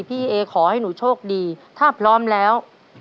พี่เอขอให้หนูโชคดีถ้าพร้อมแล้ว